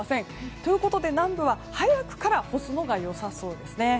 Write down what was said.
ということで南部は早くから干すのが良さそうです。